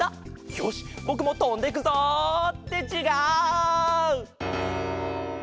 よしぼくもとんでくぞ！ってちがう！